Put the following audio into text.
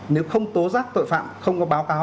nếu không tố giác tội phạm không có báo cáo